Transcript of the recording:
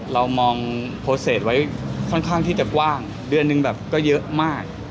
เรามองโปรเศษไว้ค่อนข้างที่จะกว้างเดือนหนึ่งแบบก็เยอะมาก